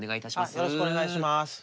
よろしくお願いします。